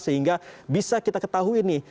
sehingga bisa kita ketahui nih